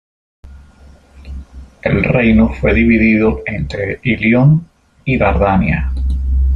El reino fue dividido entre Ilión y Dardania.